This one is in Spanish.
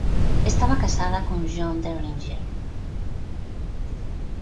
Estaba casada con John Derringer.